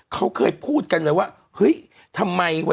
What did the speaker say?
ผมผิดตัวแหละ